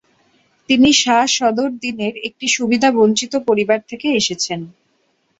তিনি শাহ সদর দিনের একটি সুবিধাবঞ্চিত পরিবার থেকে এসেছেন।